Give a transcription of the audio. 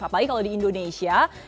apalagi kalau di indonesia